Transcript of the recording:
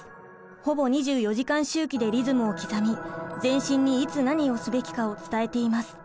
ほぼ２４時間周期でリズムを刻み全身にいつ何をすべきかを伝えています。